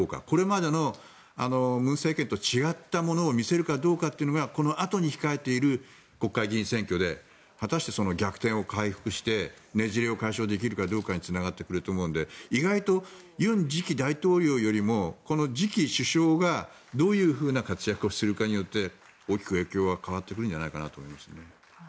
これまでの文政権と違ったものを見せるかどうかというのがこのあとに控えている国会議員選挙で果たして逆転を回復してねじれを解消できるかどうかにつながってくると思うので意外と尹次期大統領よりもこの次期首相がどういうふうな活躍をするかによって大きく影響は変わってくるんじゃないかなと思いますね。